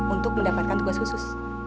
untuk mendapatkan tugas khusus